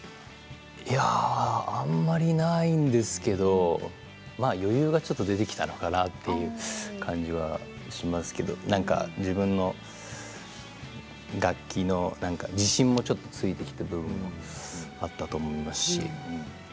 あまりないんですけど余裕がちょっと出てきたのかなという感じはしますけどなんか、自分の楽器の自信のついてきた部分もあったと思いますし。